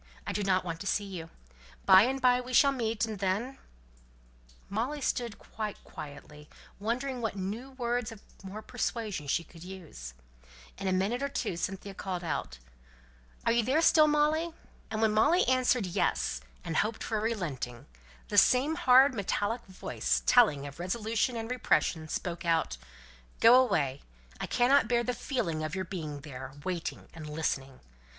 I don't want to see you. By and by we shall meet, and then " Molly stood quite quietly, wondering what new words of more persuasion she could use. In a minute or two Cynthia called out, "Are you there still, Molly?" and when Molly answered "Yes," and hoped for a relenting, the same hard metallic voice, telling of resolution and repression, spoke out, "Go away. I cannot bear the feeling of your being there waiting and listening.